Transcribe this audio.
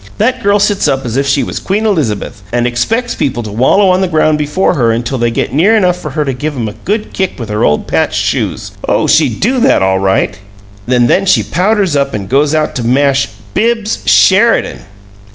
That girl sits up as if she was Queen Elizabeth, and expects people to wallow on the ground before her until they get near enough for her to give 'em a good kick with her old patched shoes oh, she'd do THAT, all right! and then she powders up and goes out to mash BIBBS SHERIDAN!"